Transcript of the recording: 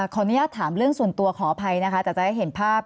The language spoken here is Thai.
ขออนุญาตถามเรื่องส่วนตัวขออภัยนะคะแต่จะให้เห็นภาพ